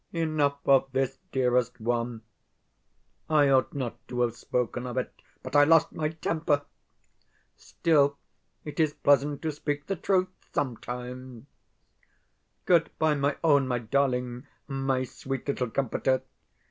Enough of this, dearest one. I ought not to have spoken of it, but I lost my temper. Still, it is pleasant to speak the truth sometimes. Goodbye, my own, my darling, my sweet little comforter!